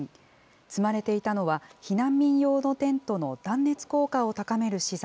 積まれていたのは避難民用のテントの断熱効果を高める資材